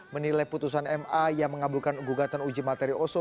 menilai putusan ma yang mengabulkan gugatan uji materi oso